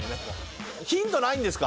ヒントないんですか？